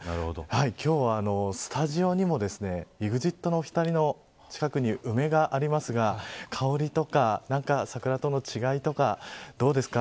今日は、スタジオにもですねＥＸＩＴのお二人の近くにも梅がありますが、香りとか何か桜との違いとかどうですか。